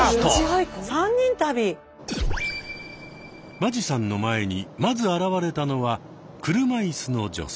間地さんの前にまず現れたのは車いすの女性。